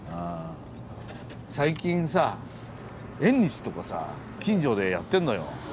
最近さ縁日とかさ近所でやってるのよ。